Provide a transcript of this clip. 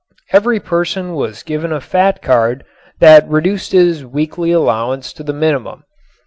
Every person was given a fat card that reduced his weekly allowance to the minimum.